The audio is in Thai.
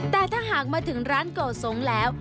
แต่ถ้าหากมาถึงร้านโกสงแล้ว